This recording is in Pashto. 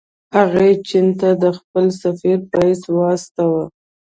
هغه یې چین ته د خپل سفیر په حیث واستاوه.